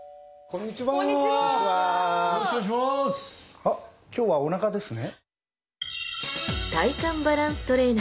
あっ今日はおなかですね。